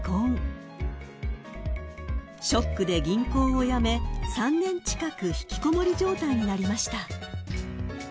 ［ショックで銀行を辞め３年近く引きこもり状態になりました］